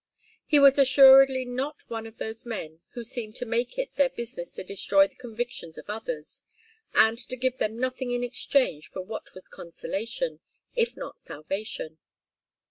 He was assuredly not one of those men who seem to make it their business to destroy the convictions of others, and to give them nothing in exchange for what was consolation, if not salvation.